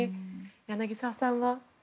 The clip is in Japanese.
柳澤さんは？